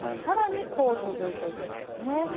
更にこう続いていくんですね。